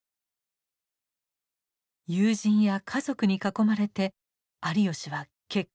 友人や家族に囲まれて有吉は結婚翌年に出産。